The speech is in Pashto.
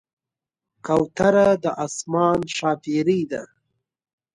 کوتره د آسمان ښاپېرۍ ده.